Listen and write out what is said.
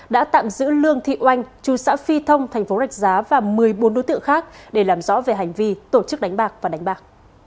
đã tạm giữ lương thị oanh chú xã phi thông thành phố rạch giá và một mươi bốn đối tượng khác để làm rõ về hành vi tổ chức đánh bạc và đánh bạc